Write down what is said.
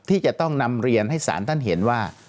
ที่จะต้องนำเรียนให้ศาลท่านเห็นว่า